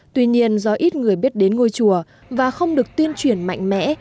tuy nhiên do ít người biết đến ngôi chùa và không được tuyên truyền mạnh mẽ